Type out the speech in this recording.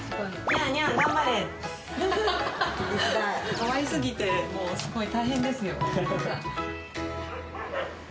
かわい過ぎてすごい大変ですよ。